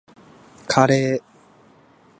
カレー